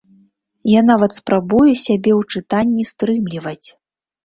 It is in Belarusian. Я нават спрабую сябе ў чытанні стрымліваць.